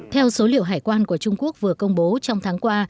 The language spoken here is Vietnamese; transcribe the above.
theo số liệu hải quan của trung quốc vừa công bố trong tháng qua